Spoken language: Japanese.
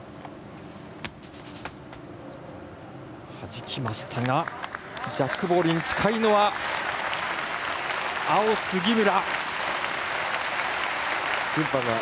はじきましたがジャックボールに近いのは青、杉村！